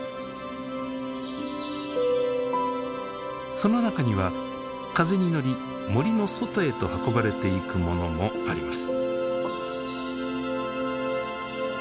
その中には風に乗り森の外へと運ばれていくものもあります。